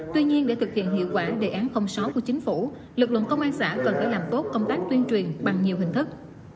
tuy nhiên để thực hiện hiệu quả đề án sáu của chính phủ lực lượng công an xã cần phải làm tốt công tác tuyên truyền bằng nhiều hình thức